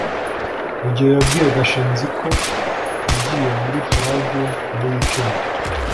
rugeyo yabwiye gashinzi ko yagiye muri plage muri wikendi